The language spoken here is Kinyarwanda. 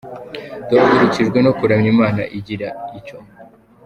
Duhagurukijwe no kuramya Imana igira icyo